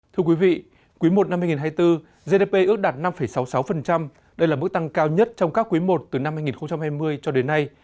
thưa quý vị quý i năm hai nghìn hai mươi bốn gdp ước đạt năm sáu mươi sáu đây là mức tăng cao nhất trong các quý i từ năm hai nghìn hai mươi cho đến nay